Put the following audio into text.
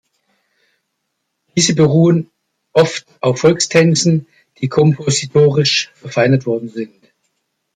Diese beruhen oft auf Volkstänzen, die kompositorisch verfeinert worden sind.